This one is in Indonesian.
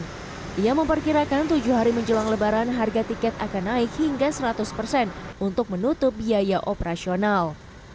dia memperkirakan tujuh hari menjelang lebaran harga tiket akan naik hingga seratus persen untuk menutup biaya operasional